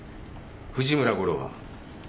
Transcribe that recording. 藤村吾郎は？